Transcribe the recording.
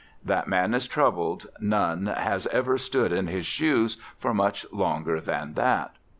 That man is troubled: none has ever stood in his shoes for much longer than that.